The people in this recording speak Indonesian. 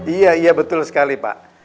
iya betul sekali pak